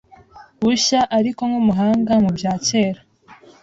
bushya ariko nkumuhanga mu bya kera